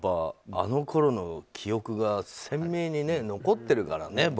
あのころの記憶が鮮明に残っているからね